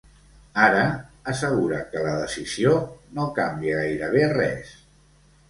Ara, assegura que la decisió “no canvia gairebé res”.